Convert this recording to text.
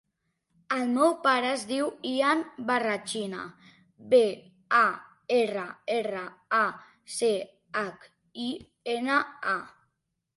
El meu pare es diu Ian Barrachina: be, a, erra, erra, a, ce, hac, i, ena, a.